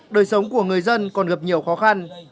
đời sống của người dân còn gặp nhiều khó khăn